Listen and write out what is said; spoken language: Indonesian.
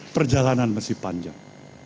perjalanan masih panjang